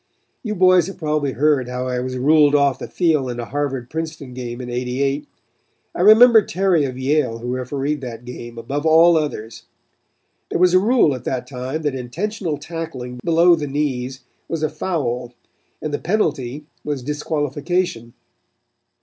You boys have probably heard how I was ruled off the field in a Harvard Princeton game in '88. I remember Terry of Yale who refereed that game, above all others. There was a rule at that time that intentional tackling below the knees was a foul and the penalty was disqualification.